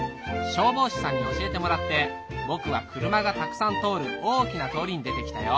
消防士さんに教えてもらって僕は車がたくさん通る大きな通りに出てきたよ